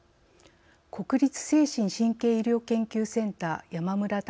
国立精神・神経医療研究センター山村隆